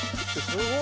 すごい。